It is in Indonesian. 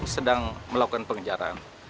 sedang melakukan pengejaran